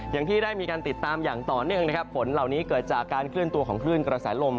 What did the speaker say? อย่างที่ได้มีการติดตามอย่างต่อเนื่องนะครับฝนเหล่านี้เกิดจากการเคลื่อนตัวของคลื่นกระแสลม